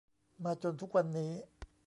มาจนทุกวันนี้